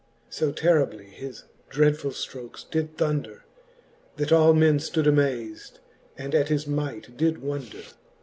So terribly his dreadfull ftrokes did thonder, That all men ftood amaz'd, and at his might did wonder.